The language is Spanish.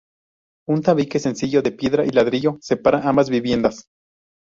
Un tabique sencillo de piedra y ladrillo separa ambas viviendas.